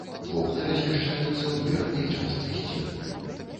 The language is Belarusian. Вокны размяшчаюцца ў верхняй частцы сцен.